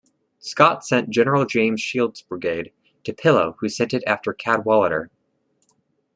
Scott sent General James Shields brigade to Pillow who sent it after Cadwalader.